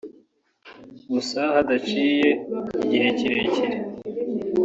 Gusa hadaciye igihe kirekire